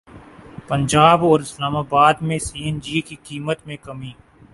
پنجاب اور اسلام اباد میں C N G کی قیمت میں کمی